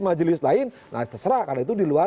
majelis lain nah terserah karena itu di luar